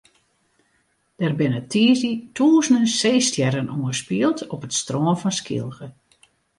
Der binne tiisdei tûzenen seestjerren oanspield op it strân fan Skylge.